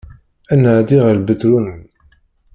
Ad nɛeddi ɣer Ibetṛunen